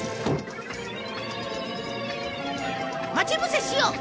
待ち伏せしよう！